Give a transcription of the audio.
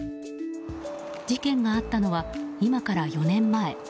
事件があったのは今から４年前。